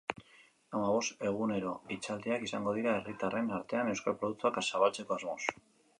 Hamabost egunero hitzaldiak izango dira herritarren artean euskal produktuak zabaltzeko asmoz.